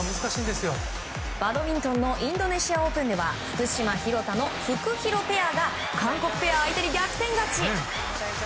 バドミントンのインドネシア・オープンでは福島・廣田のフクヒロペアが韓国ペア相手に逆転勝ち。